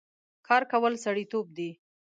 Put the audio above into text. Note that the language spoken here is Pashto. کار کول سړيتوب دی